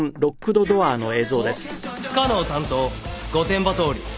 不可能担当御殿場倒理。